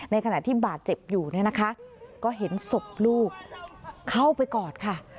ในขณะที่บาดเจ็บอยู่เนี่ยนะคะก็เห็นศพลูกเข้าไปกอดค่ะ